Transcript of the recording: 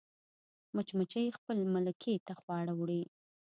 مچمچۍ خپل ملکې ته خواړه وړي